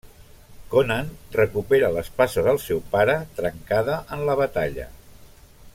Conan recupera l'espasa del seu pare, trencada en la batalla.